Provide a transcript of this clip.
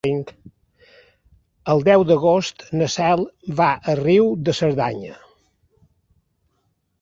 El deu d'agost na Cel va a Riu de Cerdanya.